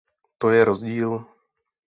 To je rozdíl!